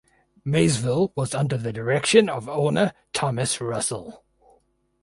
Maysville was under the direction of owner Thomas Russell.